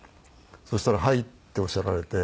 そしたら「はい」っておっしゃられて。